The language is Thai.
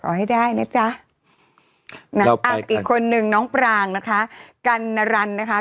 ให้ได้นะจ๊ะนะครับอีกคนนึงน้องปรางนะคะกัณรันนะคะ